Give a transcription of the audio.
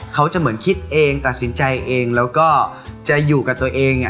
เขาจะเหมือนคิดเองตัดสินใจเองแล้วก็จะอยู่กับตัวเอง